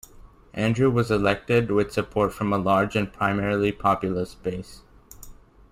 Andrew was elected with support from a large and primarily populist base.